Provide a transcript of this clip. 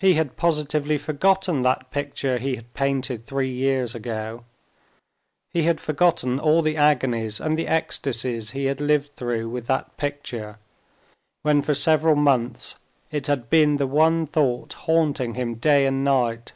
He had positively forgotten that picture he had painted three years ago. He had forgotten all the agonies and the ecstasies he had lived through with that picture when for several months it had been the one thought haunting him day and night.